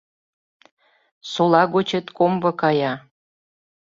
Сола гочет комбо кая